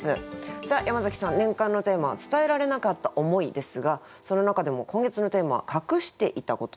さあ山崎さん年間のテーマは「伝えられなかった思い」ですがその中でも今月のテーマは「隠していたこと」ですね。